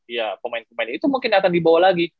ya pemain pemain itu mungkin akan dibawa lagi